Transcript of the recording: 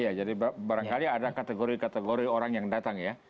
iya jadi barangkali ada kategori kategori orang yang datang ya